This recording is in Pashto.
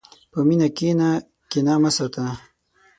په مینه کښېنه، کینه مه ساته.